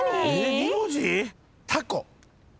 ２文字？